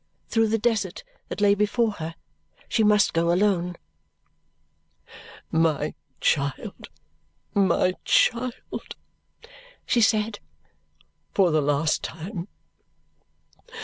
Through the desert that lay before her, she must go alone. "My child, my child!" she said. "For the last time!